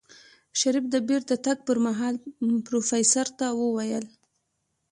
شريف د بېرته تګ پر مهال پروفيسر ته وويل.